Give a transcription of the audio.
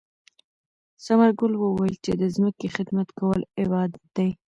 ثمر ګل وویل چې د ځمکې خدمت کول عبادت دی.